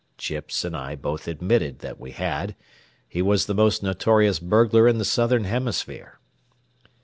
Chips and I both admitted that we had. He was the most notorious burglar in the southern hemisphere.